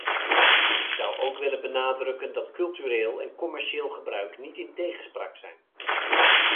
Ik zou ook willen benadrukken dat cultureel en commercieel gebruik niet in tegenspraak zijn.